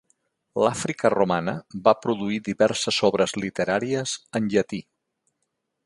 L'Àfrica romana va produir diverses obres literàries en llatí.